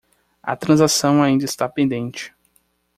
A transação ainda está pendente.